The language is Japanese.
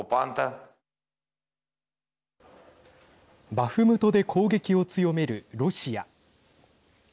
バフムトで攻撃を強めるロシア。